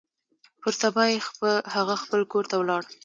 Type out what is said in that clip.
پر سبا يې هغه خپل کور ته ولاړ.